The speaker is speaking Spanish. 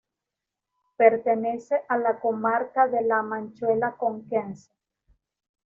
Pertenece a la comarca de la Manchuela conquense.